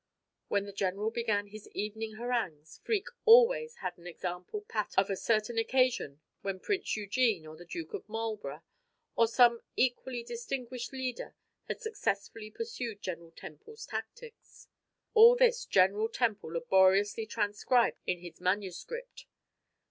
When the general began his evening harangues, Freke always had an example pat of a certain occasion when Prince Eugene, or the Duke of Marlborough, or some equally distinguished leader had successfully pursued General Temple's tactics. All this General Temple laboriously transcribed in his manuscript.